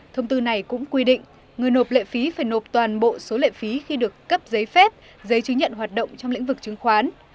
thông tư này cũng quy định người nộp lệ phí phải nộp toàn bộ số lệ phí khi được cấp giấy phép giấy chứng nhận hoạt động trong lĩnh vực chứng khoán